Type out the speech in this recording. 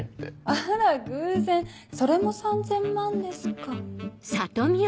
あら偶然それも３０００万ですか。